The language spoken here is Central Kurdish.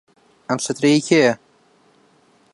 ئەم چەترە هی کێیە؟